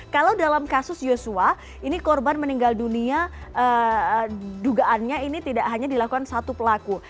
kalau dalam kasus yosua ini korban meninggal dunia dugaannya ini tidak hanya dilakukan satu pelaku